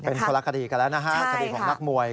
เป็นคนละคดีกันแล้วนะฮะคดีของนักมวย